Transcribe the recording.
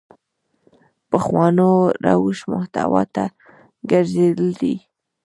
پخوانو روش محتوا ته ګرځېدل دي.